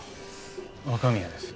若宮です。